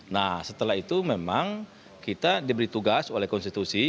nah setelah itu memang kita diberi tugas oleh konstitusi